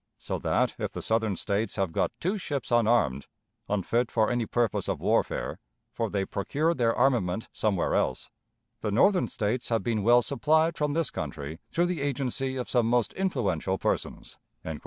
. so that, if the Southern States have got two ships unarmed, unfit for any purpose of warfare for they procured their armament somewhere else the Northern States have been well supplied from this country, through the agency of some most influential persons."